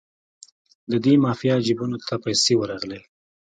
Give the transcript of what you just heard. د دې مافیا جیبونو ته پیسې ورغلې.